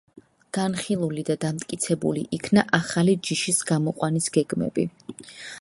განხილული და დამტკიცებული იქნა, ახალი ჯიშის გამოყვანის გეგმები.